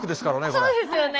そうですよね。